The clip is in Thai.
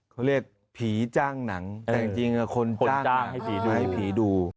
เขาเรียกผีจ้างหนังแต่จริงคนจ้างให้ผีดูให้ผีดู